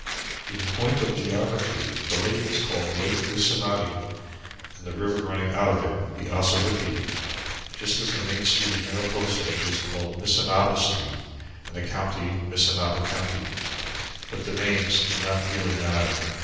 In point of geography the lake is called Lake Wissanotti and the river running out of it the Ossawippi, just as the main street of Mariposa is called Missinaba Street and the county Missinaba County. But these names do not really matter.